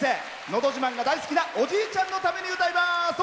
「のど自慢」が大好きなおじいちゃんのために歌います。